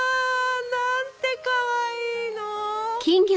何てかわいいの！